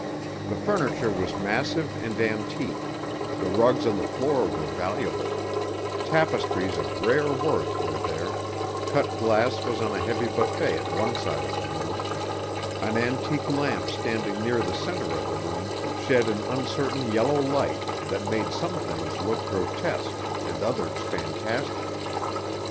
The furniture was massive and antique; the rugs on the floor were valuable; tapestries of rare worth were there; cut glass was on a heavy buffet at one side of the room; an antique lamp standing near the center of the room shed an uncertain yellow light that made some things look grotesque and others fantastic.